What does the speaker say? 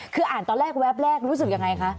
คืออ่านตอนแรกแวบแรกรู้สึกยังไงคะ